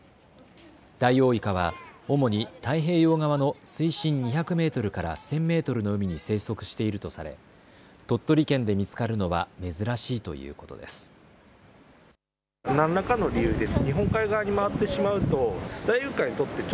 ダイオウイカは主に太平洋側の水深２００メートルから１０００メートルの海に生息しているとされ、鳥取県で見つかるのは珍しいということです。